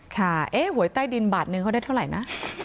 ค่ะเอ๊ะหวยใต้ดินบาทนึงเขาได้เท่าไหร่นะ